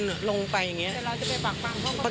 เพราะเห็นค่ะทุกวัน